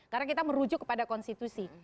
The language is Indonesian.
karena kita merujuk kepada konstitusi